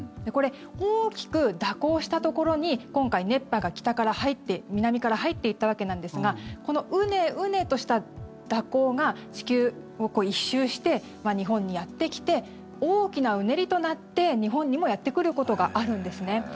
大きく蛇行したところに今回、熱波が北から入って南から入っていったわけなんですがこのうねうねとした蛇行が地球を１周して日本にやってきて大きなうねりとなって日本にもやってくることがあるんですね。